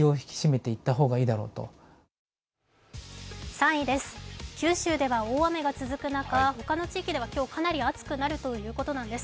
３位です、九州では大雨が続く中他の地域では今日かなり暑くなるということなんです。